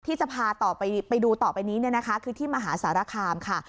ที่จะพาต่อไปดูต่อไปนี้เนี่ยนะคะคือที่มหาสารคามค่ะ